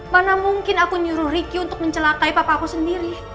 mana mungkin aku nyuruh riki untuk mencelakai papa aku sendiri